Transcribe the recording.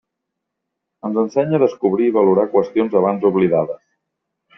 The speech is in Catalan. Ens ensenya a descobrir i valorar qüestions abans oblidades.